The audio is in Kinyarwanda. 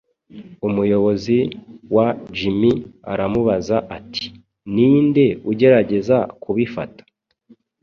Umuyobozi wa Jimmy aramubaza ati: "ninde ugerageza kubifata’’